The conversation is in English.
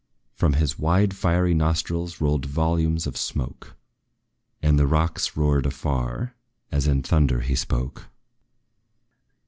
From his wide fiery nostrils rolled volumes of smoke, And the rocks roared afar, as in thunder he spoke.